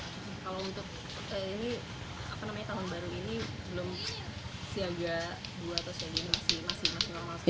kalau untuk tahun baru ini belum siaga dua atau masih